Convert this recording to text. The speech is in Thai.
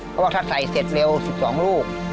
เพราะว่าถ้าใส่เสร็จเร็ว๑๒ลูก